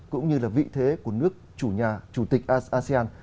cũng như là vị thế của nước chủ nhà chủ tịch asean